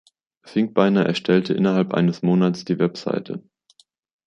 Finkbeiner erstellte innerhalb eines Monats die Webseite.